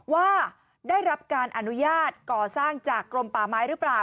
ว่าได้รับการอนุญาตก่อสร้างจากกรมป่าไม้หรือเปล่า